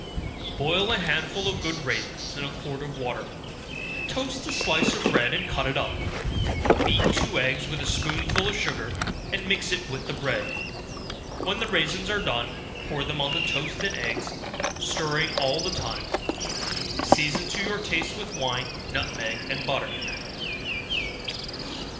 Boil a handful of good raisins in a quart of water; toast a slice of bread and cut it up; beat two eggs with a spoonful of sugar, and mix it with the bread; when the raisins are done, pour them on the toast and eggs, stirring all the time; season to your taste with wine, nutmeg and butter.